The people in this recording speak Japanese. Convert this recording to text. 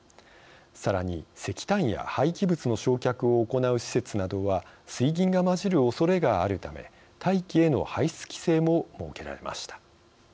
さらに、石炭や廃棄物の焼却を行う施設などは水銀が混じるおそれがあるため大気への排出規制も設けられました。